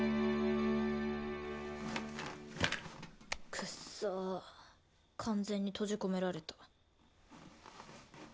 くっそ完全に閉じ込められた。